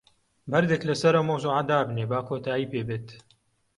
بەردێک لەسەر ئەو مەوزوعە دابنێ، با کۆتایی پێ بێت.